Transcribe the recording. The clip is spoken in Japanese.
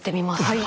はい。